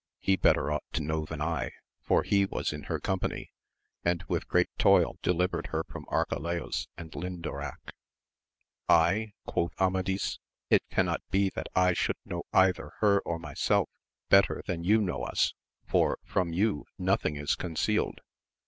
He better ought to know than I, for he was in her company, and with great toil delivered her from Arca laus and Lindoraque. I ? quoth Amadis ; it cannot be that I should know either her or myself better than you know us, for from you nothing is concealed.